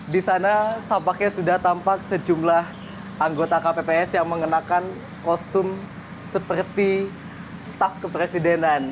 di sana tampaknya sudah tampak sejumlah anggota kpps yang mengenakan kostum seperti staff kepresidenan